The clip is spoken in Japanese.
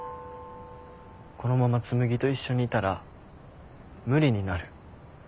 このまま紬と一緒にいたら無理になる。